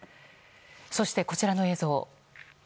そして、こちらの映像。